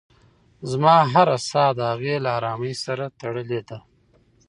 زما هره ساه د هغې له ارامۍ سره تړلې ده.